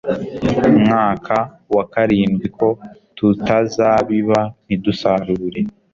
mwaka wa karindwi ko tutazabiba ntidusarure